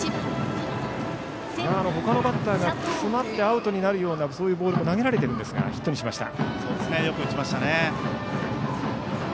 他のバッターが詰まってアウトになるようなボールも投げられましたがヒットにしました。